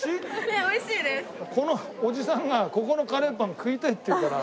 このおじさんがここのカレーパン食いたいって言うから。